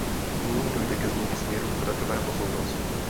Nyní dojde ke změně směru traťového souhlasu.